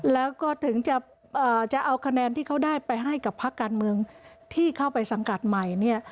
แล้วก็ถึงจะเอาคะแนนที่เขาได้ไปให้กับพักการเมืองที่เข้าไปสังกัดใหม่เนี่ย